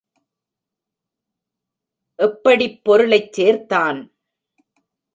எப்படிப் பொருளைச் சேர்த்தான்?